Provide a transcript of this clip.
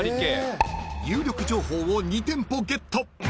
［有力情報を２店舗ゲット］